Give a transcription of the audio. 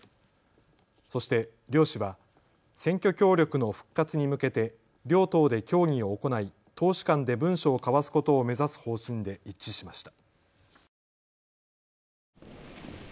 そして両氏は選挙協力の復活に向けて両党で協議を行い、党首間で文書を交わすことを目指す方針で一致しました。